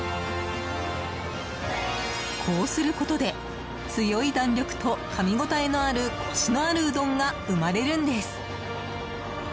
こうすることで強い弾力と、かみ応えのあるコシのあるうどんが生まれるんです。